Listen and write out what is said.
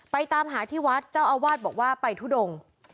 ตามหาที่วัดเจ้าอาวาสบอกว่าไปทุดง